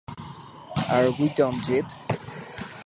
Are We Done Yet?